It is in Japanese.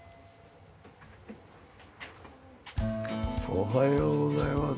おはようございます。